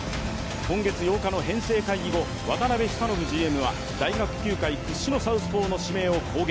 今月８日の編成会議後、渡辺久信ＧＭは大学球界屈指のサウスポーの指名を公言。